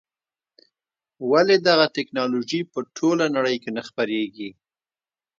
ولې دغه ټکنالوژي په ټوله نړۍ کې نه خپرېږي.